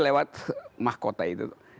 lewat mahkota itu